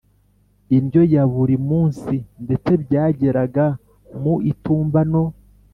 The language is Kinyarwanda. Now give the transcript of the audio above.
indyo ya buri munsi. Ndetse byageraga mu itumba no